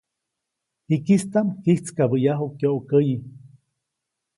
Jikistaʼm kyijtskabäʼyaju kyokäyi.